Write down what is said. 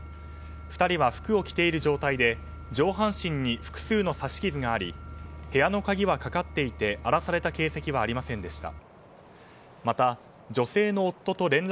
２人は服を着ている状態で上半身に複数の刺し傷があり部屋の鍵はかかっていて荒らされた形跡はありませんでした。